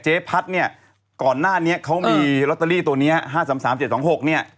เจ๊พัดเนี้ยก่อนหน้านี้เขามีตัวเนี้ยห้าสามสามเจ็ดสองหกเนี้ย